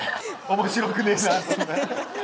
面白くねえなそれ。